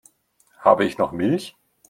Habe ich noch Milch?